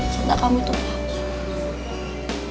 contoh kamu itu palsu